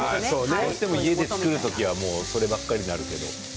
どうしても家で作る時はそればっかりになるけど。